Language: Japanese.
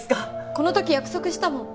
この時約束したもん